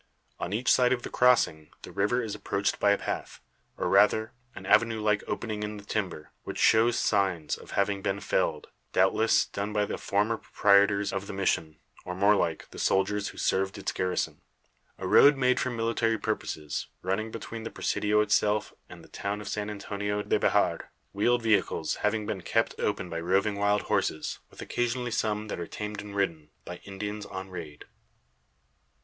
On each side of the crossing the river is approached by a path, or rather an avenue like opening in the timber, which shows signs of having been felled; doubtless, done by the former proprietors of the mission, or more like, the soldiers who served its garrison; a road made for military purposes, running between the presidio itself and the town of San Antonio de Bejar. Though again partially overgrown, it is sufficiently clear to permit the passage of wheeled vehicles, having been kept open by roving wild horses, with occasionally some that are tamed and ridden by Indians on raid.